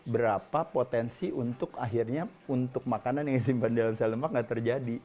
berapa potensi untuk akhirnya untuk makanan yang disimpan dalam sel lemak nggak terjadi